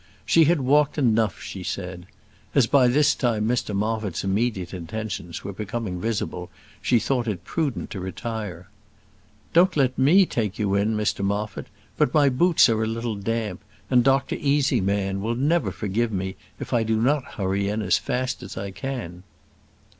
She had walked enough, she said. As by this time Mr Moffat's immediate intentions were becoming visible she thought it prudent to retire. "Don't let me take you in, Mr Moffat; but my boots are a little damp, and Dr Easyman will never forgive me if I do not hurry in as fast as I can."